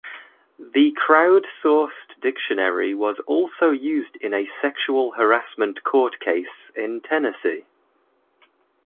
The crowd-sourced dictionary was also used in a sexual harassment court case in Tennessee.